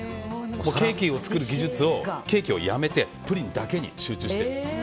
ケーキを作る技術をケーキをやめてプリンだけに集中して。